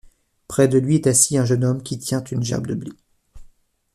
Près de lui est assis un jeune homme qui tient une gerbe de blé.